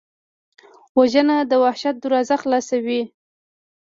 وژنه د وحشت دروازه خلاصوي